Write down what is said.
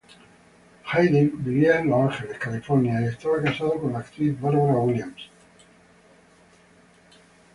Hayden vivía en Los Ángeles, California y estaba casado con la actriz Barbara Williams.